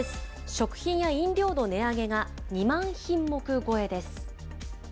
食品や飲料の値上げが２万品目超えです。